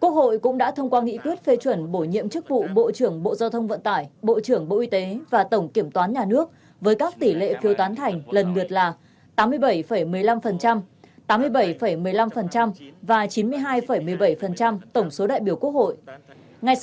quốc hội cũng đã thông qua nghị quyết phê chuẩn bổ nhiệm chức vụ bộ trưởng bộ giao thông vận tải bộ trưởng bộ y tế và tổng kiểm toán nhà nước với các tỷ lệ phiếu tán thành lần lượt là tám mươi bảy một mươi năm tám mươi bảy một mươi năm và chín mươi hai một mươi bảy tổng số đại biểu quốc hội